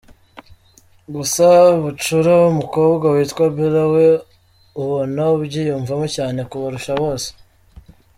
Gusa, bucura w’umukobwa witwa Bella we ubona abyiyumvamo cyane kubarusha bose.